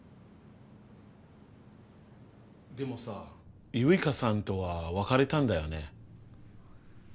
でもさ結花さんとは別れたんだよね？